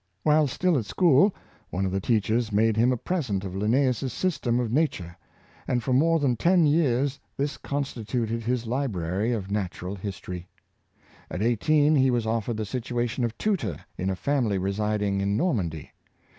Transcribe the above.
While still at school, one of the teachers made him a present of " Linnseus's System of nature; " and for more than ten years this constituted his library of natural history. At eighteen he was offered the situation of tutor in a family residing in Normandy.